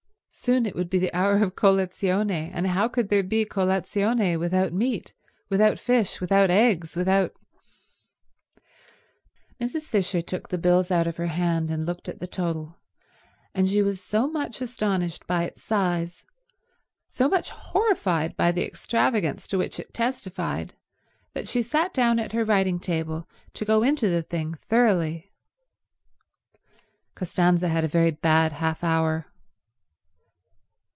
Soon it would be the hour of colazione, and how could there be colazione without meat, without fish, without eggs, without— Mrs. Fisher took the bills out of her hand and looked at the total; and she was so much astonished by its size, so much horrified by the extravagance to which it testified, that she sat down at her writing table to go into the thing thoroughly. Costanza had a very bad half hour.